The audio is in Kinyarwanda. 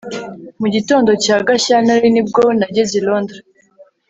mu gitondo cya gashyantare ni bwo nageze i londres